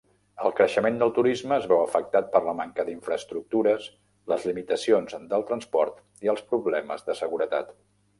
El creixement del turisme es veu afectat per la manca d'infraestructures, les limitacions del transport i el problemes de seguretat.